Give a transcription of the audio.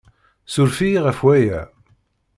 Ssuref-iyi ɣef waya.